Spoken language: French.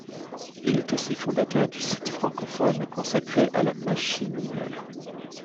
Il est aussi fondateur du site francophone consacré à la machinima.